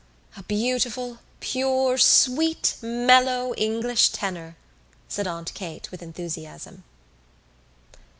"A beautiful pure sweet mellow English tenor," said Aunt Kate with enthusiasm.